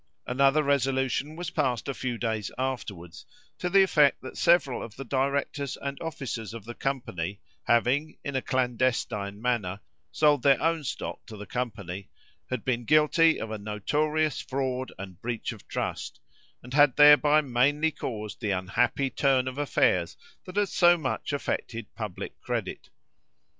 Another resolution was passed a few days afterwards, to the effect that several of the directors and officers of the company having, in a clandestine manner, sold their own stock to the company, had been guilty of a notorious fraud and breach of trust, and had thereby mainly caused the unhappy turn of affairs that had so much affected public credit.